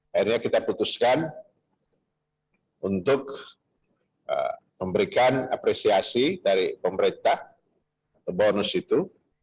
akhirnya kita putuskan untuk memberikan apresiasi dari pemerintah atau bonus itu